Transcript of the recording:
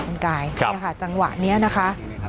ท่านกายค่ะจังหวะเนี้ยนะคะ